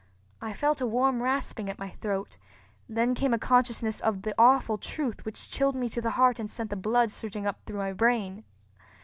I felt a warm rasping at my throat, then came a consciousness of the awful truth which chilled me to the heart and sent the blood surging up through my brain.